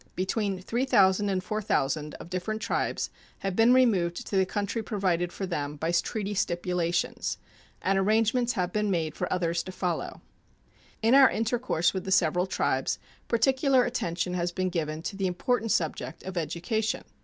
Between 3,000 and 4,000 of different tribes have been removed to the country provided for them by treaty stipulations, and arrangements have been made for others to follow. In our intercourse with the several tribes particular attention has been given to the important subject of education.